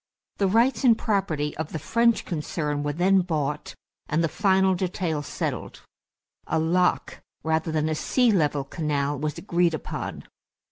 The rights and property of the French concern were then bought, and the final details settled. A lock rather than a sea level canal was agreed upon.